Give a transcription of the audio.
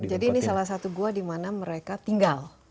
jadi ini salah satu gua di mana mereka tinggal